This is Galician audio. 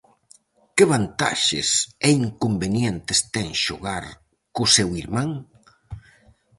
Que vantaxes e inconvenientes ten xogar co seu irmán?